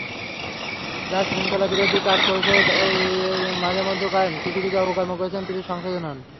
যাঁরা শৃঙ্খলাবিরোধী কাজ করেছেন, মাঝেমধ্যে করেন, কিছু কিছু অপকর্ম করেছেন—প্লিজ, সংশোধন হোন।